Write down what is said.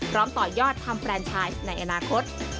พร้อมต่อยอดทำแฟรนไชน์ในอนาคต